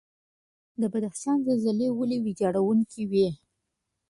د بدخشان زلزلې ولې ویجاړونکې وي؟